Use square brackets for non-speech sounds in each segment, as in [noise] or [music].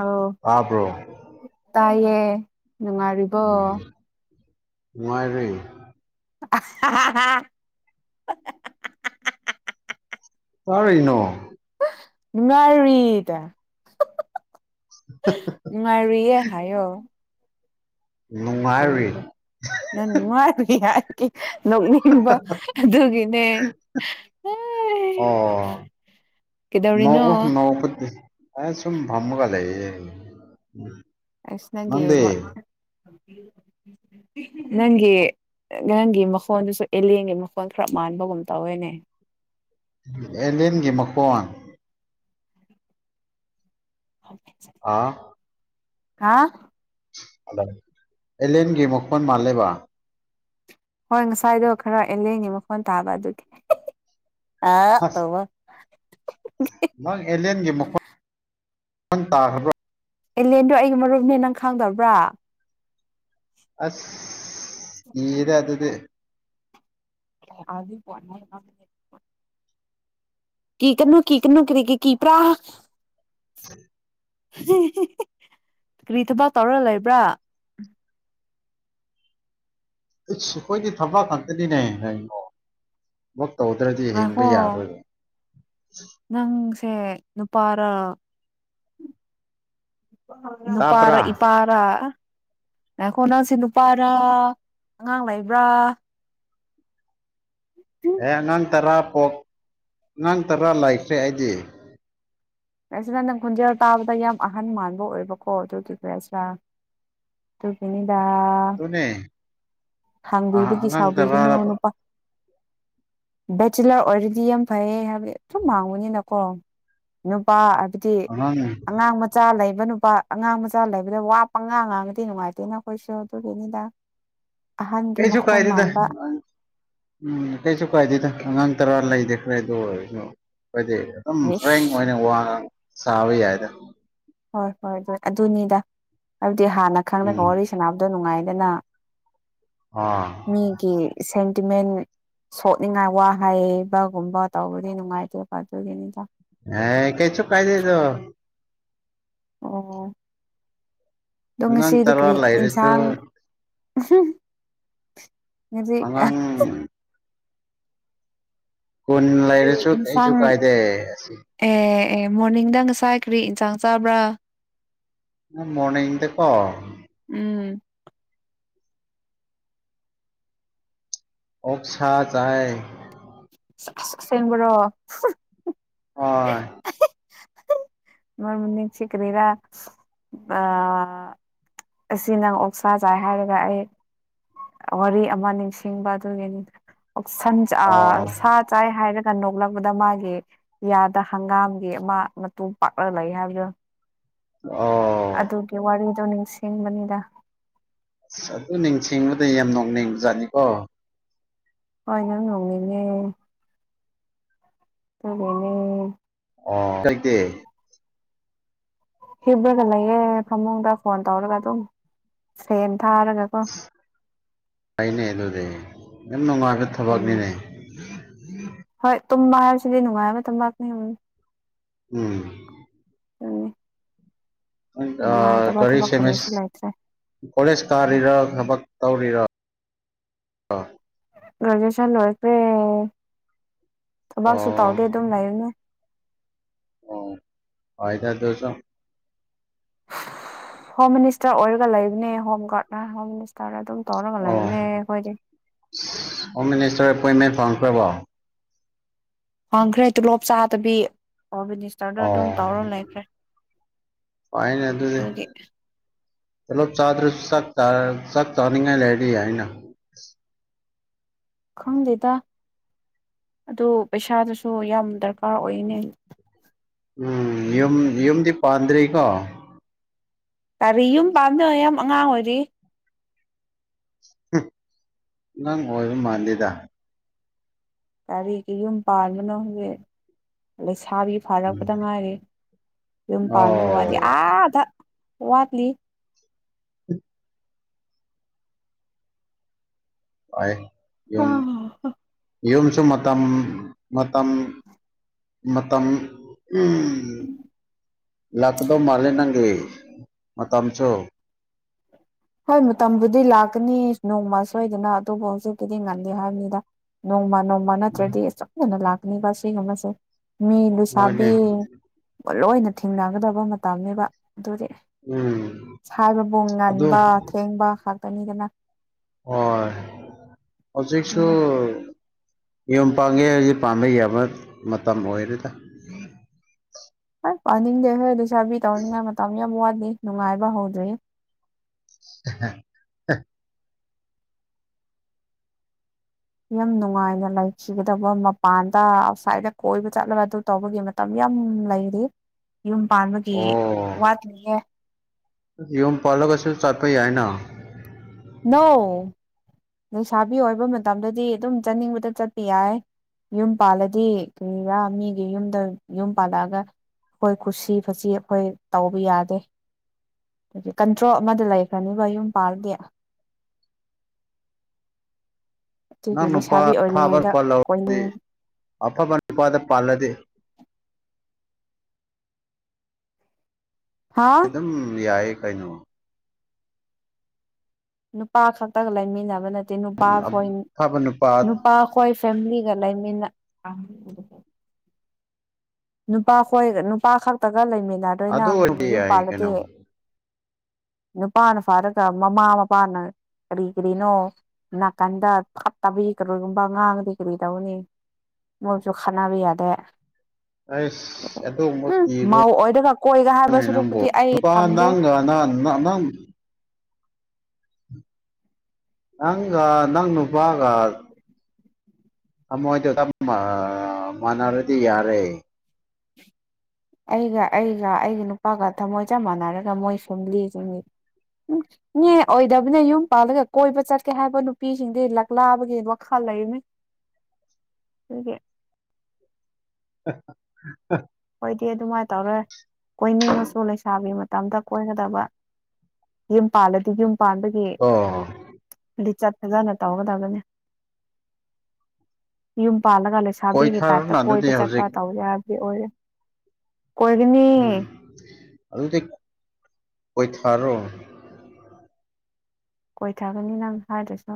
ꯑ ꯇꯥꯕ꯭ꯔꯣ ꯇꯌꯦꯌꯦ ꯅꯨꯡꯉꯥꯏꯔꯤꯕꯣ ꯅꯨꯡꯥꯏꯔꯦ [inaudible] ꯇꯥꯔꯅꯣ ꯅꯨꯡꯉꯥꯏꯔꯤꯗ ꯅꯨꯡꯉꯥꯏꯨꯔꯤꯌꯦ ꯍꯥꯏ ꯑꯣ ꯅꯨꯡꯉꯥꯏꯔꯤ ꯀꯗ ꯅꯅꯤꯡ ꯃꯥꯔ ꯌꯥ ꯅꯣꯛꯅꯤꯡꯕ ꯑꯗꯨꯒꯤꯅꯦ ꯅꯧ ꯀꯩꯗꯧꯔꯤꯅꯣ ꯑꯦ ꯁꯨꯝ ꯐꯝꯃꯨꯒꯗ ꯑꯁ ꯅꯪꯒꯤ ꯅꯪꯒꯤ ꯅꯪꯒꯤ ꯃꯈꯣꯟꯜꯗꯨꯁꯨ ꯑꯦꯂꯦꯟꯒꯤ ꯃꯈꯣꯟꯜ ꯈꯔ ꯃꯥꯟꯕꯒꯨꯝ ꯇꯧꯋꯦꯅꯦ ꯑꯦꯂꯤꯟꯒꯤ ꯃꯀꯣꯟ ꯑꯣ ꯑꯥ ꯍꯥ ꯍꯂꯣ ꯑꯦꯂꯦꯟꯒꯤ ꯃꯈꯨꯛ ꯐꯣꯟ ꯃꯥꯜꯂꯦꯕ ꯍꯣꯏ ꯉꯁꯥꯏꯗꯣ ꯈꯔ ꯂꯦꯡꯉꯤ ꯃꯈꯣꯟ ꯇꯥꯕ ꯑꯗꯨꯒꯤ ꯑ ꯇ ꯑꯁ ꯅꯪ ꯑꯦꯂꯦꯟꯒꯤ ꯃꯈꯣꯡ ꯇꯥꯈ꯭ꯔꯕ꯭ꯔꯥ ꯑꯦꯂꯦꯟꯗꯣ ꯑꯩꯒꯤ ꯃꯔꯨꯞꯅꯦ ꯅꯪ ꯈꯪꯗꯕ꯭ꯔꯥ ꯑꯁ ꯌꯦꯗ ꯑꯗꯨꯗꯤ ꯑꯗꯨ ꯀ ꯀꯩꯅꯣ ꯀ ꯀꯩꯅꯣ ꯀꯔꯤꯒꯤ ꯄ꯭ꯔꯥ ꯀꯔꯤ ꯊꯕꯛ ꯇꯧꯔꯒ ꯂꯩꯕ꯭ꯔꯥ ꯑꯩꯈꯣꯏꯗꯤ ꯊꯕꯥ ꯈꯇꯅꯤꯅꯦꯉꯣ ꯇꯧꯗ꯭ꯔꯗꯤ ꯉꯥꯏꯈꯣ ꯍꯤꯡꯕ ꯌꯥꯔꯣꯏ ꯅꯪꯁꯦ ꯅꯨꯄꯥꯔ ꯅꯨꯄꯥꯔ ꯇꯥꯕ꯭ꯔꯥ ꯏ ꯄꯔ ꯌꯥꯈꯣ ꯅꯪꯁꯦ ꯅꯨꯄꯥꯔ ꯑꯉꯥꯡ ꯂꯩꯕ꯭ꯔꯥ [inaudible] ꯑꯦ ꯑꯉꯥꯡ ꯇꯔꯥ ꯄꯣꯛ ꯑꯉꯥꯡ ꯇꯔꯥ ꯂꯩꯈ꯭ꯔꯦ ꯑꯩꯗꯤ ꯁꯤ ꯅ ꯅꯪ ꯈꯣꯟꯖꯦꯜ ꯇꯥꯕꯗ ꯌꯥꯝ ꯑꯍꯟ ꯃꯥꯟꯕ ꯑꯣꯏꯕꯀꯣ ꯑꯗꯨꯒꯤꯒꯦꯁꯤꯔ ꯇꯨ ꯀꯅꯤ ꯗ ꯑꯗꯨꯅꯦ ꯑ ꯍꯥꯡꯕꯤꯕꯒꯤ ꯑꯉꯥꯡ ꯁꯥꯎꯕꯤꯒꯅꯨ ꯇꯔꯥꯔꯕ ꯅꯨꯄꯥ ꯕꯦꯆꯤꯂꯔ ꯑꯣꯏꯔꯗꯤ ꯌꯥꯝ ꯐꯩꯌꯦ ꯍꯥꯏꯕꯗꯤ ꯁꯨꯝ ꯃꯥꯡꯕꯅꯤꯅꯀꯣ ꯅꯨꯄꯥ ꯍꯥꯏꯕꯗꯤ ꯑꯉꯥꯡ ꯃꯆꯥ ꯂꯩꯕ ꯅꯨ ꯂꯨꯄꯥ ꯑꯉꯥꯡ ꯃꯆꯥ ꯂꯩꯕꯗ ꯋꯥꯄ ꯉꯥꯡ ꯉꯥꯡꯉꯗꯤ ꯅꯨꯡꯉꯥꯏꯇꯦꯅ ꯑꯩꯈꯣꯏꯁꯨ ꯑꯗꯨꯒꯤꯅꯤꯗ ꯑꯍꯟꯒꯤ ꯀꯩꯁꯨ ꯃꯈꯣꯟ ꯀꯥꯏꯗꯗ ꯃꯥꯟꯕ ꯎꯝ ꯀꯩꯁꯨ ꯀꯥꯏꯗꯗ ꯑꯉꯥꯡ ꯇꯔꯥ ꯂꯩꯗꯤꯦꯈ꯭ꯔꯦ ꯑꯗꯨ ꯑꯣꯏꯔꯁꯨ ꯍꯥꯏꯣꯏꯗꯤ ꯑꯗꯨꯝ ꯏꯁ ꯐ꯭ꯔꯦꯡ ꯑꯣꯏꯅ ꯋꯥꯡꯉ ꯁꯥꯕ ꯌꯥꯏꯔꯦ ꯍꯣꯏ ꯍꯣꯏ ꯑꯗꯨ ꯑꯗꯨꯅꯤꯗ ꯍꯥꯏꯕꯗꯤ ꯍꯥꯟꯅ ꯈꯪꯂꯉꯒ ꯎꯝ ꯋꯥꯔꯤ ꯁ ꯑ ꯅꯨꯡꯉꯥꯏꯗꯅ ꯑꯥ ꯃꯤꯒꯤ ꯁ ꯗꯤꯃꯦꯟ ꯁꯣꯛꯅꯤꯡꯉꯥꯏ ꯋꯥ ꯍꯩꯕꯒꯨꯝꯕ ꯇꯧꯕꯗꯤ ꯅꯨꯡꯉꯥꯏꯇꯦꯕ ꯑꯗꯨꯒꯤꯅꯤꯗ ꯑꯦ ꯀꯩꯁꯨ ꯀꯥꯏꯗꯦꯗꯣ ꯑꯣ ꯑꯗꯣ ꯑꯉꯥꯡ ꯉꯁꯤꯗꯤ ꯇꯔꯥ ꯀ꯭ꯔꯤ ꯂꯩꯔꯁꯨ ꯏꯟꯁꯥꯡ ꯑꯗꯤ ꯑꯉꯥꯡ [unintelligible] ꯀꯨꯟ ꯀꯔꯤ ꯂꯩꯔꯁꯨ ꯀꯩꯁꯨ ꯏꯟꯁꯥꯡ ꯀꯥꯏꯗꯦ ꯑꯁꯤ ꯑꯦ ꯑꯦ ꯃꯣꯔꯅꯤꯡꯗ ꯉꯁꯥꯏ ꯀꯔꯤ ꯏꯟꯁꯥꯡ ꯆꯥꯕ꯭ꯔꯥ ꯃꯅꯗꯀꯣ ꯎꯝ ꯑꯣꯁ ꯆꯥꯏ ꯁꯦꯝꯦꯡꯕ꯭ꯔꯣ ꯍꯣꯏ ꯃꯔ ꯃꯅꯤ ꯀꯔꯤꯔ ꯑ ꯑꯁꯤ ꯅꯪ ꯑꯣꯛꯁꯥ ꯆꯥꯏ ꯍꯥꯏꯔꯒ ꯑꯩ ꯋꯥꯔꯤ ꯑꯃ ꯅꯤꯡꯁꯤꯡꯕ ꯑꯗꯨꯒꯤꯅꯤꯟ ꯑꯣ ꯁꯥ ꯆꯥꯏ ꯍꯥꯏꯔꯒ ꯀꯟ ꯅꯣꯛꯂꯛꯄꯗ ꯃꯥꯒꯤ ꯌꯥꯗ ꯍꯪꯒꯥꯝꯒꯤ ꯃꯥ ꯃꯇꯨꯡꯨꯝ ꯄꯥꯛꯂꯒ ꯂꯩ ꯍꯥꯏꯕꯗꯨ ꯑꯣ ꯑꯗꯨꯒꯤ ꯋꯥꯔꯤꯗꯣ ꯅꯤꯡꯁꯤꯡꯕꯅꯤꯗ ꯑꯁ ꯑꯗꯨ ꯅꯤꯡꯁꯤꯡꯕꯗ ꯌꯥꯝ ꯅꯣꯡꯅꯤꯡꯕ ꯖꯥꯠꯅꯤꯀꯣ ꯍꯣꯏ ꯅꯪ ꯉꯣꯡꯉꯅꯦ ꯐꯔꯅꯦ ꯑꯣ ꯀꯥꯏꯇ ꯍꯤꯕ꯭ꯔꯒ ꯂꯩꯌꯦꯦ ꯐꯃꯨꯡꯗ ꯐꯣꯟ ꯇꯧꯔꯒ ꯑꯗꯨꯝ ꯐ ꯐꯥꯏꯅꯦ ꯑꯗꯨꯗꯦꯟꯅ ꯎꯝ ꯊꯕꯛꯅꯤꯅꯦ ꯍꯣꯏ ꯇꯨꯝꯕ ꯍꯥꯏꯕꯁꯤꯗꯤ ꯅꯨꯡꯉꯥꯏ ꯑꯃ ꯇꯨꯝꯄꯥꯛꯅꯤ ꯎꯝ ꯎꯝ ꯀꯔꯤ ꯁꯤ ꯀꯔꯤꯁꯨ ꯑꯦꯁ ꯂꯩꯇ꯭ꯔꯦ ꯀꯣꯂꯦꯖ ꯀꯥꯔꯤꯔꯣ ꯊꯕꯛ ꯇꯧꯔꯤꯔ ꯑꯥ ꯒ꯭ꯔꯦꯖꯨꯑꯦꯁꯟ ꯂꯣꯏꯔꯛꯇ꯭ꯔꯦ ꯊꯕꯛꯁꯨ ꯑꯣ ꯇꯧꯗꯦ ꯑꯗꯨꯝ ꯂꯩꯌꯨꯅꯦ ꯑꯣ ꯐꯗꯗꯣꯁꯣ ꯍꯣꯝ ꯃꯤꯅꯤꯁꯇꯔ ꯑꯣꯏꯔꯒ ꯂꯩꯕꯅꯦ ꯍꯣꯝ ꯒꯥꯔꯗꯅ ꯍꯣꯝ ꯃꯤꯅꯤꯁꯇꯔꯅ ꯑꯗꯨꯝ ꯇꯧꯔꯒꯂ ꯑꯣ ꯏꯅꯦ ꯑꯩꯣꯏꯗꯤꯦ ꯍꯣꯝ ꯃꯤꯅꯤꯁꯇꯔ ꯑꯦꯄꯣꯏꯟꯃꯦꯟ ꯐꯪ ꯐ꯭ꯔꯔꯕꯣ ꯍꯪꯈ꯭ꯔꯦ ꯇꯣꯂꯣꯞ ꯆꯥꯗꯕꯤ ꯑꯣ ꯃꯤꯅꯤꯁꯇꯔꯗ ꯑꯗꯨꯝ ꯇꯧꯔ ꯂꯩꯈ꯭ꯔꯦ ꯐꯥꯏꯟ ꯑꯗꯨ ꯑꯗꯨꯗꯤ ꯑꯗꯨꯒꯤ ꯆꯂꯣ ꯆꯥꯗ꯭ꯔ ꯁ ꯆ ꯆ ꯆꯥꯅꯤꯡꯉ ꯂꯩꯦꯔꯤꯅ ꯈꯪꯂꯦꯗ ꯑꯗꯨ ꯄꯩꯁꯥꯗꯨꯁꯨ ꯌꯥꯝ ꯗꯔꯀꯥꯔ ꯑꯣꯏꯅꯦ ꯎꯝ ꯌꯨꯝ ꯌꯨꯝꯗꯤ ꯄꯥꯟꯗ꯭ꯔꯦꯀꯣ ꯀꯔꯤ ꯌꯨꯝ ꯄꯥꯝꯅ ꯌꯥꯝ ꯑꯉꯥꯡ ꯑꯣꯏꯔꯤ ꯅꯪ ꯑꯣꯏꯔ ꯃꯥꯟꯗꯦꯗ ꯀꯔꯤ ꯌꯨꯝ ꯄꯥꯕꯅꯣ ꯍꯦ ꯁꯥꯥꯕꯤ ꯐꯥꯔꯛꯄꯗ ꯉꯥꯏꯔꯦ ꯌꯨꯝ ꯑꯣ ꯄꯥꯟꯕꯃꯤꯒꯤ ꯋꯥꯗꯤ ꯑꯥꯗ ꯋꯥꯠꯂꯤ ꯎꯝ ꯍꯣꯏ ꯌꯨꯝ ꯌꯨꯝꯁꯨ ꯃꯇꯝ ꯃꯇꯝ ꯃꯇꯝ ꯎꯝ ꯂꯀꯗꯣ ꯃꯥꯂꯦ ꯅꯪꯒꯦ ꯃ ꯃꯇꯝꯝꯁꯨꯣ ꯍꯣꯏ ꯃꯇꯝꯕꯨꯗꯤ ꯂꯥꯛꯀꯅꯤ ꯅꯣꯡꯃ ꯁꯣꯏꯗꯅ ꯑꯗꯨꯕꯨ ꯍꯧꯖꯤꯛꯀꯤꯗꯤ ꯉꯟꯗꯦ ꯍꯥꯏꯕꯅꯤꯗ ꯅꯣꯡ ꯃꯥ ꯅꯣꯡꯃ ꯅꯠꯇ꯭ꯔꯗꯤ ꯆꯞꯅꯅ ꯂꯥꯛꯅꯤꯕ ꯁꯤꯒꯨꯝꯕꯁꯦ ꯃꯤ ꯂꯨꯁꯥꯕꯤ ꯍꯣꯏꯅꯦ ꯂꯣꯏꯅ ꯊꯦꯡꯅꯒꯗꯕ ꯃꯇꯝꯅꯤꯅꯦꯕ ꯑꯗꯨꯗꯤ ꯎꯝ ꯁꯥꯏꯕꯕꯣꯡ ꯉꯥꯅꯤ ꯑꯗꯨ ꯕꯥ ꯊꯦꯡꯕ ꯈꯥꯛꯇꯅꯤꯗꯅ ꯍ ꯍꯧꯖꯤꯁꯨ ꯑꯗꯨꯅ ꯌꯨꯝ ꯄꯥꯒꯦ ꯍꯥꯏꯁꯦ ꯄꯥꯝꯕ ꯌꯥꯕ ꯃꯇꯝ ꯑꯣꯏꯔꯦꯗ ꯍꯣꯏ ꯄꯥꯅꯤꯡꯗꯦ ꯍꯣꯏꯗ ꯆꯥꯕꯤ ꯇꯧꯅꯤꯡꯉꯥꯏ ꯃꯇꯝ ꯌꯥꯝ ꯋꯥ ꯅꯨꯡꯉꯥꯏꯕ ꯍꯧꯗ꯭ꯔꯤ [inaudible] ꯌꯥꯝ ꯅꯨꯡꯉꯥꯏꯅ ꯂꯩꯈꯤꯒꯗꯕ ꯃꯄꯥꯟꯗ ꯑꯥꯎꯠꯁꯥꯏꯠꯇ ꯀꯣꯏꯕ ꯆꯠꯂꯕ ꯑꯗꯨ ꯇꯧꯕꯒꯤ ꯃꯇꯝ ꯌꯥꯝ ꯂꯩꯔꯤ ꯌꯨꯝ ꯄꯥꯟꯕꯒꯤ ꯋꯥꯠꯂꯤꯍ ꯌꯧꯟ ꯄꯂꯒꯁꯨ ꯆꯥꯄ ꯌꯥꯏꯅ ꯅꯧ ꯂꯩꯁꯥꯕꯤ ꯑꯣꯏꯕ ꯃꯇꯝꯗꯗꯤ ꯑꯗꯨꯝ ꯆꯠꯅꯤꯡꯕꯗ ꯆꯠꯄ ꯌꯥꯏ ꯌꯨꯝ ꯄꯥꯜꯂꯗꯤ ꯀꯔꯤꯔꯥ ꯃꯤꯒꯤ ꯌꯨꯝꯗ ꯌꯨꯝ ꯄꯥꯜꯂꯛꯑꯒ ꯑꯩꯈꯣꯏ ꯈꯨꯁꯤ ꯐꯁꯤ ꯑꯩꯈꯣꯏ ꯇꯧꯕ ꯌꯥꯗꯦ ꯑ ꯀꯟꯇ꯭ꯔꯣ ꯑꯃꯗ ꯂꯩꯈ꯭ꯔꯅꯦꯕ ꯌꯨꯝ ꯄꯥꯜꯗꯝ ꯑꯗꯨꯒꯤ ꯅꯪ ꯅꯨꯄꯥ ꯂꯩꯁꯥꯕꯤ ꯑꯐꯕ ꯑꯣꯏꯔꯤꯉꯩꯗ ꯅꯨꯄꯥ ꯂꯧꯗꯤ ꯀꯣꯏꯅꯤꯡ ꯑꯐꯕ ꯅꯨꯄꯥꯗ ꯄꯥꯜꯂꯗꯤ [inaudible] ꯍꯥ ꯑꯗꯨ ꯑꯗꯨꯝ ꯌꯥꯏꯌꯦ ꯀꯩꯅꯣ ꯅꯨꯄꯥ ꯈꯛꯇꯒ ꯂꯩꯃꯤꯟꯅꯕ ꯅꯠꯇꯦ ꯅꯨꯄꯥ ꯍꯣꯏ ꯅꯨꯄꯥ ꯈꯣꯏ ꯐꯦꯃꯤꯂꯤ ꯒ ꯂꯩꯃꯤꯟꯅ ꯅꯨꯄꯥ ꯈꯣꯏ ꯅꯨꯄꯥ ꯈꯛꯇꯒ ꯂꯩꯃꯤꯟꯅꯗꯣꯏꯅ ꯑꯗꯨ ꯑꯗꯨꯝ ꯑꯣꯏꯔꯗꯤ ꯌꯨꯝ ꯌꯥꯏ ꯄꯥꯜꯂꯗꯤ ꯀꯩꯅꯣ ꯅꯨꯄꯥꯅ ꯐꯔꯒ ꯃꯃꯥ ꯃꯄꯥꯅ ꯀꯔꯤ ꯀꯔꯤꯅꯣ ꯅꯥꯀꯟꯗ ꯊꯞ ꯇꯕ ꯍꯈꯔꯣꯏꯒꯨꯝꯕ ꯉꯥꯡꯉꯗꯤ ꯀꯔꯤ ꯇꯧꯅꯤ ꯃꯎꯁꯨ ꯈꯅꯕꯤ ꯌꯥꯗꯦ ꯑꯩꯁ ꯎꯝ ꯃꯥꯎ ꯑꯣꯏꯔꯒ ꯀꯣꯏꯒ ꯍꯥꯏꯕ ꯁꯨꯔꯨꯛꯄꯨꯗꯤ ꯑꯩ ꯣ ꯊꯝꯗꯦ ꯅ ꯅ [unintelligible] ꯅꯪ ꯅꯪꯅꯨꯄꯥꯒ ꯊꯃꯣꯏꯗ ꯃꯅꯔꯗꯤ ꯌꯥꯔꯦ ꯑꯩꯒ ꯑꯩꯒ ꯑꯩꯒ ꯅꯨꯄꯥꯒ ꯊꯝꯃꯣꯏ ꯆꯞ ꯃꯥꯟꯅꯔꯒ ꯃꯣꯏ ꯐꯦꯃꯤꯂꯤꯁꯤꯡ ꯎꯝꯅꯦ ꯑꯣꯏꯗꯕꯅꯦ ꯌꯨꯝ ꯄꯥꯜꯂꯒ ꯀꯣꯏꯕ ꯆꯠꯀꯦ ꯍꯥꯏꯕ ꯅꯨꯄꯤꯁꯤꯡꯗꯤ ꯂꯛꯂꯥꯕꯒꯤ ꯋꯥꯈꯜ ꯂꯩꯅꯦ ꯑ ꯑ ꯗꯤ ꯑꯗꯨꯃꯥꯏꯅ ꯇꯧꯔꯣꯏ ꯀꯣꯏꯅꯤꯡꯉꯁꯨ ꯂꯩꯁꯥꯕꯤ ꯇꯇ ꯀꯣꯏꯒꯗꯕ ꯌꯨꯝ ꯄꯥꯜꯂꯗꯤ ꯌꯨꯝ ꯄꯥꯟꯕꯒꯤ ꯀꯣ ꯂꯤꯆꯠ ꯐꯖꯅ ꯇꯧꯒꯗꯕꯅꯤ ꯌꯨꯝ ꯄꯥꯜꯂꯒ ꯂꯩꯁꯥꯕꯤꯒꯤ ꯇꯥꯏꯞꯇ ꯀꯣꯏꯊꯔꯣꯅ ꯀꯣꯏꯕ ꯑꯗꯨꯗꯤ ꯆꯠꯄ ꯍꯧꯖꯤꯛ ꯇꯧꯋꯦ ꯍꯥꯏꯕꯗꯤ ꯑꯣꯏꯔꯦ ꯎꯝ ꯀꯣꯏꯒꯅꯤ ꯑꯗꯨꯗꯤ ꯀꯣꯏ ꯊꯔꯣ ꯀꯣꯏꯊꯥꯒꯅꯤ ꯅꯪ ꯍꯥꯏꯗ꯭ꯔꯁꯨ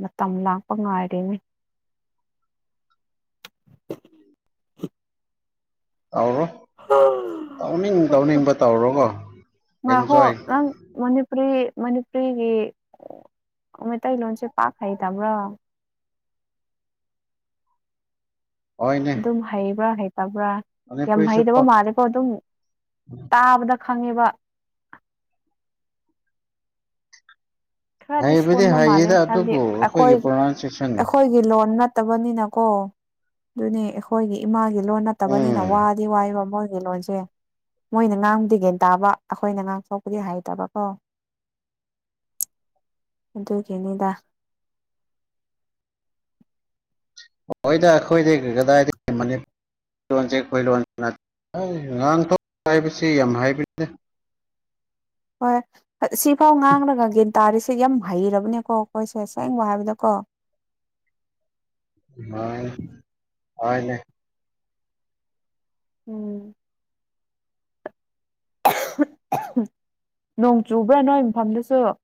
ꯃꯇꯝ ꯂꯥꯛꯄ ꯉꯥꯏꯔꯤꯅꯤ [unintelligible] ꯇꯧꯔꯣ ꯇꯧꯅꯤꯡ ꯇꯧꯅꯤꯡꯕ ꯇꯧꯔꯣꯀꯣ ꯑ ꯍꯣ ꯑꯦꯟꯖꯣꯏ ꯅꯪ ꯃꯅꯤꯄꯨꯔꯤ ꯃꯅꯤꯄꯨꯔꯤꯒꯤ ꯃꯩꯇꯩꯂꯣꯟꯁꯦ ꯄꯥꯛ ꯍꯩꯇꯕ꯭ꯔꯣ ꯑꯗꯨꯝ ꯍꯣꯏꯅꯦ ꯍꯩꯕ꯭ꯔꯥ ꯍꯩꯇꯕ꯭ꯔꯥ ꯌꯥꯝ ꯃꯅꯤꯄꯨꯔꯤꯁꯨ ꯍꯩꯇꯕ ꯄꯛ ꯃꯥꯜꯂꯦꯀꯣ ꯑꯗꯨꯝ ꯇꯥꯕꯗ ꯈꯪꯉꯤꯕ ꯈꯔꯗꯤ ꯍꯩꯕꯗꯤ ꯁꯣꯟꯕ ꯃꯥꯜꯂꯦ ꯍꯩꯌꯦꯗ ꯍꯥꯏꯕꯗꯤ ꯑꯗꯨꯕꯨ ꯑꯩꯈꯣꯏ ꯑꯩꯈꯣꯏꯒꯤ ꯄ꯭ꯔꯣꯅꯥꯎꯟꯁꯤꯌꯦꯁꯟ ꯑꯩꯈꯣꯏꯒꯤ ꯂꯣꯟ ꯅꯠ ꯅꯠꯇꯕꯅꯤꯅꯀꯣ ꯑꯗꯨꯅꯦ ꯑꯩꯈꯣꯏꯒꯤ ꯏꯃꯥꯒꯤ ꯂꯣꯟ ꯅꯠꯇꯕꯅꯤꯅ ꯎꯝ ꯋꯥꯗꯤ ꯋꯥꯕ ꯃꯣꯏ ꯑꯩꯒꯤ ꯂꯣꯟꯁꯦ ꯃꯣꯏꯅ ꯉꯥꯡꯕꯨꯗꯤꯒꯦꯟ ꯇꯥꯕ ꯑꯩꯈꯣꯏꯅ ꯉꯥꯡꯊꯣꯛꯄꯗꯤ ꯍꯩꯇꯕꯀꯣ [inaudible] ꯑꯗꯨꯒꯤꯅꯤꯗ ꯍꯣꯏꯗ ꯑꯩꯈꯣꯏꯗꯤ ꯀꯗꯥꯏꯗꯅꯤ ꯂꯣꯟꯁꯦ ꯑꯩꯈꯣꯏ ꯂꯣꯟ ꯉꯥꯡꯊꯄ ꯍꯥꯏꯕꯁꯤ ꯌꯥꯝ ꯍꯥꯏꯕꯅꯤꯗ ꯍꯣꯏ ꯁꯤꯐꯥꯎ ꯉꯥꯡꯅ ꯉꯒꯤ ꯇꯥꯔꯤꯁꯦ ꯌꯥꯝ ꯍꯩꯔꯕꯅꯦꯀꯣ ꯑꯩꯈꯣꯏꯁꯦ ꯁꯦꯡꯕ ꯍꯥꯏꯕꯗꯀꯣ ꯍ ꯍꯅꯦ ꯎꯝ ꯅꯣꯡ ꯆꯨꯕ꯭ꯔꯥ ꯅꯣꯏ ꯃꯐꯝꯗꯨꯁꯨ [inaudible]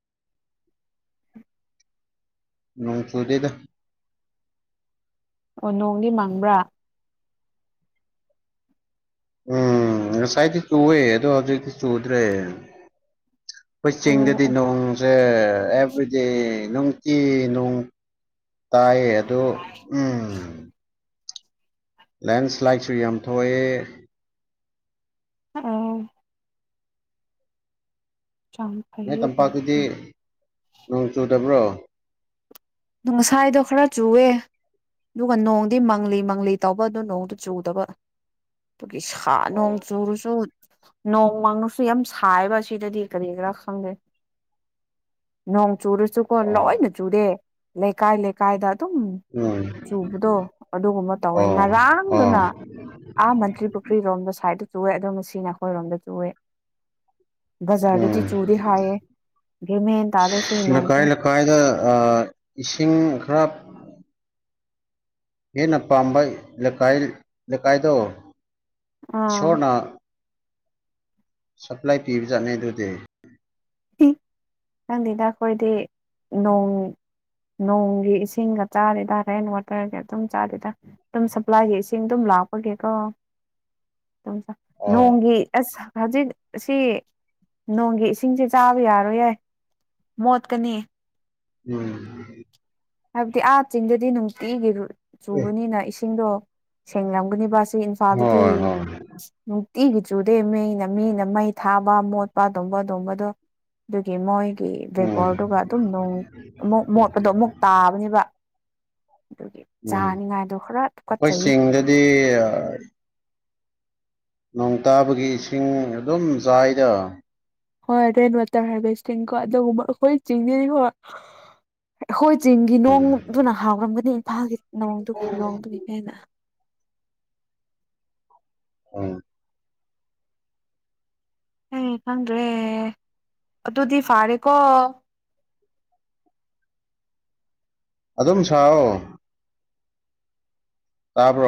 ꯅꯣꯡ ꯁꯨꯗꯤꯗ ꯑꯣ ꯅꯣꯡꯗꯤ ꯃꯪꯕ꯭ꯔꯥ ꯎꯝ ꯉꯁꯥꯏꯗꯤ ꯆꯨꯏꯦ ꯑꯗꯣ ꯍꯧꯖꯤꯛꯇꯤ ꯆꯨꯗ꯭ꯔꯦ ꯑꯩꯈꯣꯏ ꯑꯣ ꯆꯤꯡꯗꯗꯤ ꯑꯣ ꯅꯣꯡ ꯀꯤ ꯇ [unintelligible] ꯑꯗꯨ ꯎꯝ ꯂꯦꯟꯁ꯭ꯂꯥꯏꯠꯁꯨ ꯌꯥꯝ ꯊꯣꯛꯑꯦ ꯑꯥ ꯌꯥꯝ ꯅꯣꯏ ꯐꯩꯌꯦ ꯌꯥꯝ ꯇꯝꯄꯥꯛꯇꯨꯗꯤ ꯐꯩ ꯅꯣꯡ ꯆꯨꯗꯕ꯭ꯔꯣ ꯑ ꯉꯁꯥꯏꯗꯣ ꯈꯔ ꯆꯨꯑꯦ ꯑꯗꯨꯒ ꯅꯣꯡꯗꯤ ꯃꯪꯂꯤ ꯃꯪꯂꯤ ꯇꯥꯎꯧꯕ ꯑꯗꯨ ꯅꯣꯡꯗꯨ ꯆꯨꯗꯕ ꯑꯗꯨꯒꯤ ꯁꯥ ꯅꯣꯡ ꯆꯨꯔꯨꯁꯨ ꯅꯣꯡ ꯋꯥꯡꯅꯨꯁꯨ ꯌꯥꯝ ꯁꯥꯏꯕ ꯁꯤꯗꯗꯤ ꯀꯔꯤ ꯀꯔꯤ ꯔꯥ [unintelligible] ꯅꯣꯡ ꯆꯨꯔꯁꯨꯀꯣ ꯑꯣ ꯂꯣꯏꯅ ꯆꯨꯔꯦ ꯂꯩꯀꯥꯏ ꯂꯩꯀꯥꯏꯗ ꯑꯗꯨꯝ ꯎꯝ ꯆꯨꯕꯗꯣ ꯑꯗꯨꯒꯨꯝꯕ ꯇꯧꯋꯦ ꯑꯣ ꯑꯣ ꯉꯔꯥꯡꯗꯨꯅ ꯑꯥ ꯃꯟꯇ꯭ꯔꯤ ꯄꯨꯈ꯭ꯔꯤꯔꯣꯝꯗ ꯁꯥꯏꯠꯇ ꯆꯨꯏ ꯑꯗꯣꯝ ꯁꯤ ꯅꯈꯣꯏꯔꯣꯝꯗ ꯆꯨꯏ ꯎꯝ ꯕꯖꯥꯔꯗꯗꯤ ꯆꯨꯔꯤ ꯍꯥꯏꯌꯦ ꯑꯗꯨ ꯃꯦꯟ ꯇꯥꯔ ꯁꯤ ꯅꯣꯡꯁꯦ ꯂꯩꯀꯥꯏ ꯂꯩꯀꯥꯏꯗ ꯑꯥ ꯏꯁꯤꯡ ꯈꯔꯞ ꯍꯦꯟꯅꯄꯥꯕ ꯂꯩꯀꯥꯏꯗ ꯑꯥ ꯁꯣꯅ ꯁꯄ꯭ꯂꯥꯏ ꯄꯤꯕ ꯆꯠꯅꯦ ꯑꯗꯨꯗꯤ ꯅꯪ ꯂꯤꯅꯥ ꯈꯣꯏꯗꯤ ꯅꯣꯡ ꯅꯣꯡꯒꯤ ꯏꯁꯤꯡꯒ ꯆꯥꯔꯤꯗ ꯔꯦꯟ ꯋꯥꯇꯔꯒ ꯑꯗꯨꯝ ꯆꯥꯔꯤꯗ ꯑꯗꯨꯝ ꯁꯄ꯭ꯂꯥꯏꯒꯤ ꯏꯁꯤꯡ ꯑꯗꯨꯝ ꯂꯥꯄ ꯀꯣ ꯑꯣ ꯅꯣꯡꯒꯤ ꯑꯁ ꯍꯧꯖꯤꯛ ꯁꯤ ꯅꯣꯡꯒꯤ ꯏꯁꯤꯡꯁꯤ ꯆꯥꯕ ꯌꯥꯔꯣ ꯌꯥꯏ ꯃꯣꯠꯀꯅꯤ ꯎꯝ ꯍꯥꯏꯕꯗꯤ ꯑꯥ ꯆꯤꯡꯗꯗꯤ ꯅꯨꯡꯇꯤꯒꯤ ꯆꯨꯕꯅꯤꯅ ꯏꯁꯤꯡꯗꯣ ꯁꯦꯡꯂꯝꯒꯅꯤ ꯏꯟꯐꯥꯜꯗꯗꯤ ꯍꯣꯏ ꯍꯣꯏ ꯎꯝ ꯇꯤꯒꯤ ꯆꯨꯗꯦ ꯃꯤꯅ ꯃꯤꯅ ꯃꯩ ꯊꯥꯕ ꯃꯣꯠꯄ ꯑꯗꯨꯨꯝꯕ ꯑꯗꯨꯒꯝꯕꯗꯣ ꯑꯗꯨꯒꯤ ꯃꯣꯏ ꯀ ꯎꯝ ꯕꯦꯄꯣꯔꯗꯨꯒ ꯑꯗꯨꯝ ꯅꯣꯡ ꯑꯃꯨꯛ ꯃꯣꯠꯄꯗꯣ ꯑꯃꯨꯛ ꯇꯥꯕꯅꯦꯕ ꯑꯗꯨꯒꯤ ꯎꯝ ꯆꯥꯅꯤꯡꯉꯥꯏꯗꯣ ꯈꯔ ꯑꯩꯈꯣꯏ ꯇꯨꯀꯠꯆꯩꯌꯦ ꯆꯤꯡꯗꯗꯤ ꯅꯣꯡ ꯇꯥꯕꯒꯤ ꯏꯁꯤꯡ ꯑꯗꯨꯝ ꯆꯥꯏꯗ ꯍꯣꯏ ꯔꯦꯟ ꯋꯥꯇꯔ ꯍꯥꯔꯚꯦꯁꯇꯤꯡ ꯀꯣ ꯑꯗꯨꯒꯕ ꯑꯩꯈꯣꯏ ꯆꯤꯡꯅꯤꯈꯣꯏ ꯆꯤꯡꯒꯤ ꯅꯣꯡꯗꯨꯅ ꯍꯥꯎꯔꯝꯒꯅꯤ ꯏꯝꯐꯥꯜꯒꯤ ꯅꯗꯨ ꯅꯣꯡꯗꯨꯒꯤ ꯍꯦꯟꯅ ꯎ ꯑꯦ ꯈꯗ꯭ꯔꯦ ꯑꯗꯨꯗꯤ ꯐꯥꯔꯦꯀꯣ [unintelligible] ꯑꯗꯨꯝ ꯁꯥꯑꯣ ꯇꯥꯕ꯭ꯔꯣ